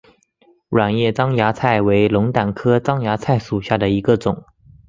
卵叶獐牙菜为龙胆科獐牙菜属下的一个种。